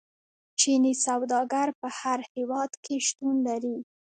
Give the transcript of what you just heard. چیني سوداګر په هر هیواد کې شتون لري.